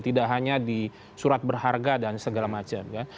tidak hanya di surat berharga dan segala macam ya